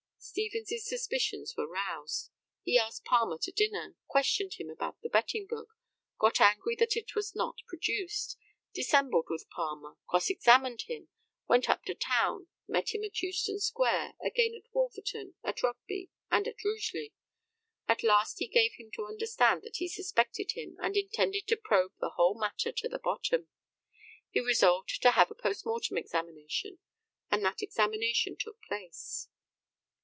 Stevens's suspicions were roused; he asked Palmer to dinner, questioned him about the betting book, got angry that it was not produced, dissembled with Palmer, cross examined him, went up to town, met him at Euston square, again at Wolverton, at Rugby, and at Rugeley. At last he gave him to understand that he suspected him and intended to probe the whole matter to the bottom. He resolved to have a post mortem examination, and that examination took place.